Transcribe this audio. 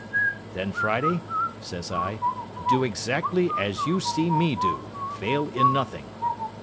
"Then, Friday," says I, "do exactly as you see me do; fail in nothing."